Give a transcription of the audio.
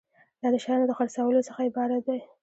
دا د شیانو د خرڅولو څخه عبارت دی.